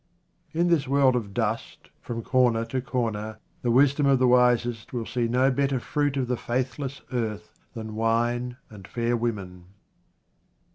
In this world of dust from corner to corner, the wisdom of the wisest will see no better fruit of the faithless earth than wine and fair women.